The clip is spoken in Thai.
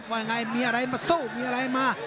ว่ายังไงมีอะไรมาสู้มีอะไรมา